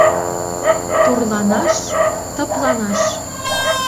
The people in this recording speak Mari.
Турланаш — тыпланаш.